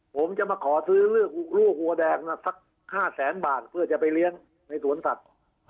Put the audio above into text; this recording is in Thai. ผมจะมาขอซื้อลูกวัวแดงสัก๕แสนบาทเพื่อจะไปเลี้ยงในสวนสัตว์